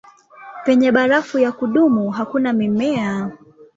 Penye barafu ya kudumu hakuna mimea.